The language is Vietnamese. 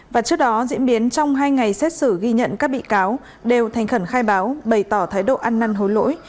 và trước đó diễn biến trong hai ngày xét xử ghi nhận các bị cáo đều thành khẩn khai báo bày tỏ thái độ ăn năn hối lỗi